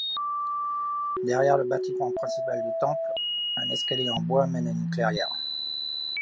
Derrière le bâtiment principal du temple, un escalier en bois mène à une clairière.